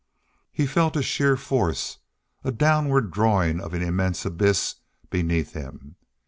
He felt a sheer force, a downward drawing of an immense abyss beneath him.